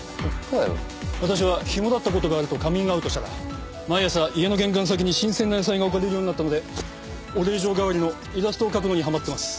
私はヒモだった事があるとカミングアウトしたら毎朝家の玄関先に新鮮な野菜が置かれるようになったのでお礼状代わりのイラストを描くのにはまってます。